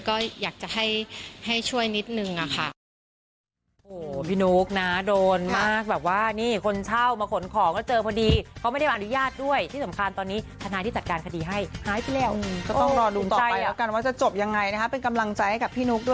ก็อยากจะให้ช่วยนิดนึงค่ะ